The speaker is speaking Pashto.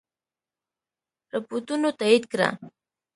رپوټونو تایید کړه.